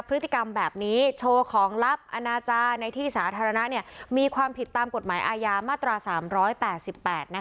พฤติกรรมแบบนี้โชว์ของลับอาณาจารย์ในที่สาธารณะเนี่ยมีความผิดตามกฎหมายอายามาตราสามร้อยแปดสิบแปดนะคะ